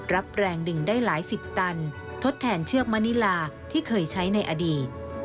รับแรงดึงได้หลายสิบตันทดแทนเชือกมณิลาที่เคยใช้ในอดีต